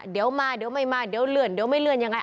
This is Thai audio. เดี๋ยวมาเดี๋ยวไม่มาเดี๋ยวเลื่อนเดี๋ยวไม่เลื่อนยังไง